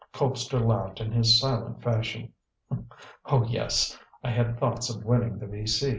Colpster laughed in his silent fashion. "Oh, yes. I had thoughts of winning the V.C.